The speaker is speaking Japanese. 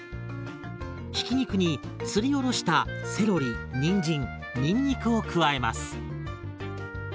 ひき肉にすりおろしたセロリにんじんにんにくを加えます。